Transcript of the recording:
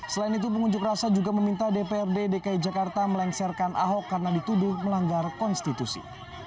selain itu pengunjuk rasa juga meminta dprd dki jakarta melengsarkan ahok karena dituduh melanggar konstitusi